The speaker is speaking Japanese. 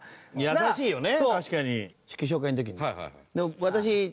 優しいよね